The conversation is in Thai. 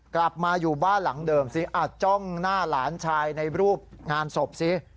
กลับมาอยู่บ้านหลังเดิมสิจ้องหน้าหลานชายในรูปงานศพสิ